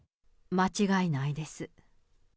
間違いないです。